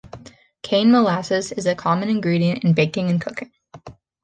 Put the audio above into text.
Cane molasses is a common ingredient in baking and cooking.